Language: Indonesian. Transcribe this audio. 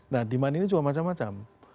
nah demand ini juga macam macam